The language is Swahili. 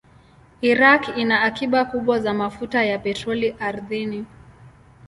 Iraq ina akiba kubwa za mafuta ya petroli ardhini.